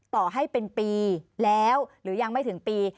ต่อให้เป็นปีแล้วหรือยังไม่ถึงปี